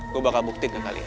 gue bakal buktikan kalian